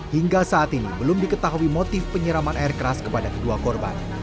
hingga saat ini belum diketahui motif penyiraman air keras kepada kedua korban